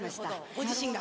ご自身が。